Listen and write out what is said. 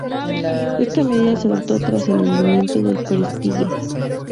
Esta medida se adoptó tras el hundimiento del "Prestige".